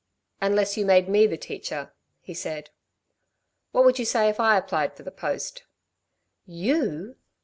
"Unless you made me the teacher," he said. "What would you say if I applied for the post?" "You!"